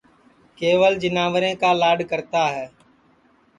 کیول جیناورے کا لاڈؔ کرتا ہے